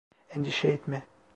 Endişe etme.